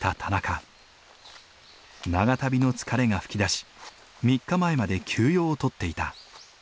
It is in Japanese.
長旅の疲れが噴き出し３日前まで休養をとっていた。